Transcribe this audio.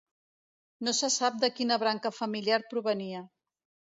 No se sap de quina branca familiar provenia.